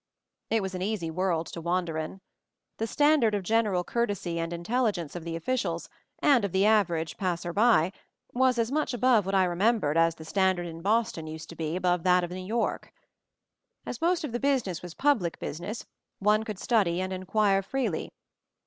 It was an easy world to wander in. The standard of general courtesy and intelligence of the officials, and of the average passer by, was as much above what I remembered as the standard in Boston used to be above that of New York. As most of the business was public busi ness one could study and inquire freely.